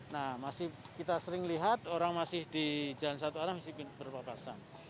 nah masih kita sering lihat orang masih di jalan satu arah masih berpapasan